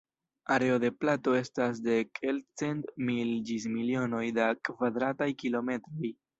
Areo de plato estas de kelkcent mil ĝis milionoj da kvadrataj kilometroj.